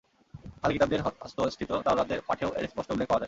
আহলে কিতাবদের হস্তস্থিত তাওরাতের পাঠেও এর স্পষ্ট উল্লেখ পাওয়া যায়।